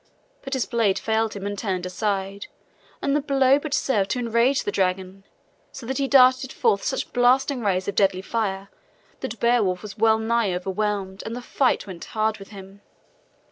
But his blade failed him and turned aside, and the blow but served to enrage the dragon, so that he darted forth such blasting rays of deadly fire that Beowulf was well nigh overwhelmed and the fight went hard with him.